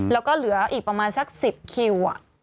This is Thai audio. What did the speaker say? แล้วก็เหลืออีกประมาณสัก๑๐คิว